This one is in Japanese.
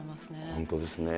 本当ですね。